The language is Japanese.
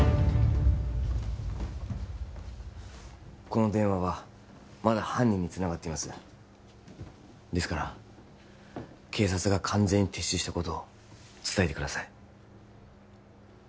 この電話はまだ犯人につながっていますですから警察が完全に撤収したことを伝えてください